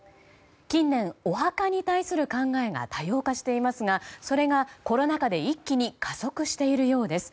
近年、お墓に対する考えが多様化していますがそれがコロナ禍で一気に加速しているようです。